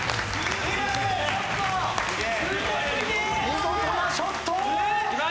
見事なショット。